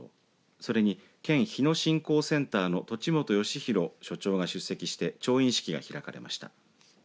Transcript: それに、県日野振興センターの栃本義博所長が出席して調印式が開かれました。